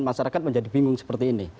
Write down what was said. masyarakat menjadi bingung seperti ini